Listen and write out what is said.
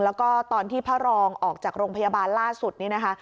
แล้วก็ตอนที่พระรองออกจากโรงพยาบาลล่าสุดนี่นะคะ